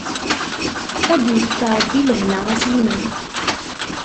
Ad d-yefk Rebbi lehna a Sliman.